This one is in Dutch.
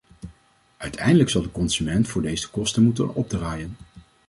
Uiteindelijk zal de consument voor deze kosten moeten opdraaien.